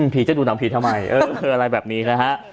จะดูหนังผีทำไมอะไรแบบนี้นะฮะ